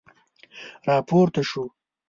را پورته شو.